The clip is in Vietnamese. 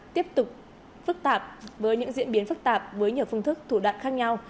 tiếp tục phức tạp với những diễn biến phức tạp với nhiều phương thức thủ đoạn khác nhau